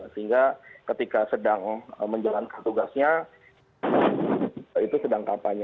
sehingga ketika sedang menjalankan tugasnya itu sedang kampanye